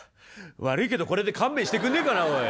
悪いけどこれで勘弁してくんねえかなおい。